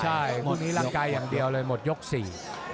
ใช่หมดร่างกายอย่างเดียวเลยหมดยกสี่